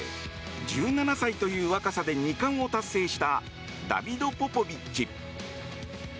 １７歳という若さで２冠を達成したダビド・ポポビッチ。